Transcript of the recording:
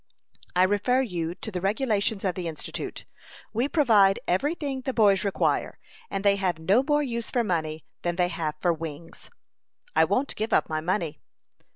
"I refer you to the regulations of the Institute. We provide every thing the boys require, and they have no more use for money than they have for wings." "I won't give up my money."